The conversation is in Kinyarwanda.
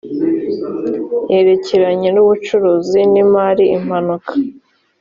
yerekeranye n ubucuruzi n imari impanuka